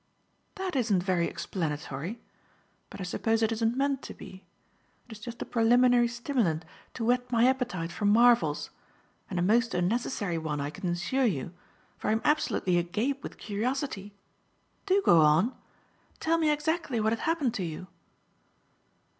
"That isn't very explanatory. But I suppose it isn't meant to be. It is just a preliminary stimulant to whet my appetite for marvels, and a most unnecessary one, I can assure you, for I am absolutely agape with curiosity. Do go on. Tell me exactly what had happened to you."